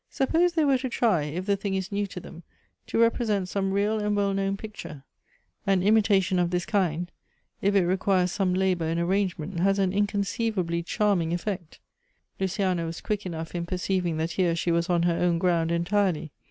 Suppose they were to try, if the thing is new to them, to represent some real and well known picture. An imitation of this kind, if it requires Elective Affinities. 195 Bome labor in arrangement, has an inconceivably charm ing effect." Lueiani\ was quick enough in perceiving that here she was on her own ground entirely.